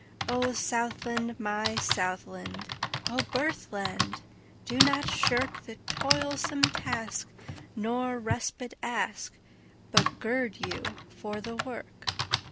O Southland! my Southland!O birthland! do not shirkThe toilsome task, nor respite ask, But gird you for the work.